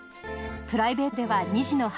プライベートでは２児の母。